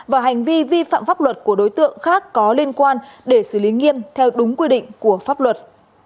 và hành vi vi phạm pháp luật của đối tượng khác có liên quan để xử lý nghiêm theo đúng quy định của pháp luật